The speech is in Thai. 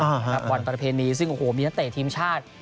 วันตอนเพลงนี้ซึ่งมีนักเตะทีมชาติ